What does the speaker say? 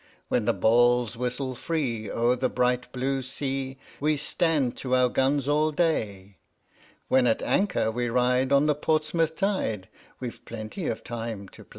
When the balls whistle free o'er the bright blue sea, We stand to our guns all day ; When at anchor we ride on the Portsmouth tide We've plenty of time to play!